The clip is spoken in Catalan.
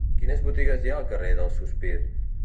Quines botigues hi ha al carrer del Sospir?